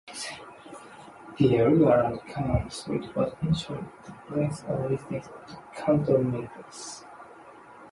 The area around Cannon Street was initially the place of residence of the candle-makers.